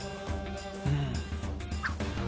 うん。